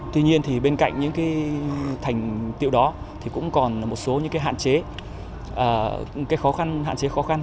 tuy nhiên bên cạnh những thành tiệu đó cũng còn một số hạn chế khó khăn